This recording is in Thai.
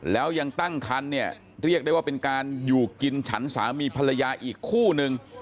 แล้วยังตั้งคันเนี่ยเรียกได้ว่าเป็นการอยู่กินฉันสามีภรรยาอีกคู่นึง